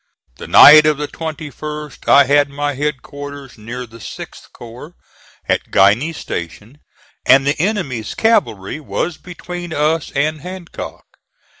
The night of the 21st I had my headquarters near the 6th corps, at Guiney's Station, and the enemy's cavalry was between us and Hancock.